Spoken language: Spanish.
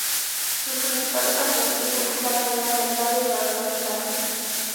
Sus principales afluentes son la cañada del Tala y el arroyo del Tala.